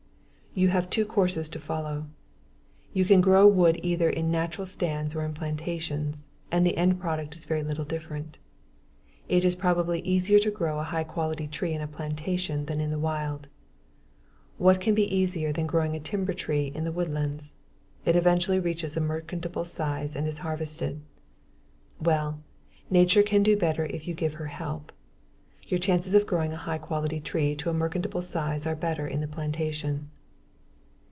You have two courses to follow. You can grow wood either in natural stands or in plantations, and the end product is very little different. It is probably easier to grow a high quality tree in a plantation than in the wild. What can be easier than growing a timber tree in the woodlands? It eventually reaches merchantable size and is harvested. Well, nature can do better if you give her help. Your chances of growing a high quality tree to merchantable size are better in the plantation.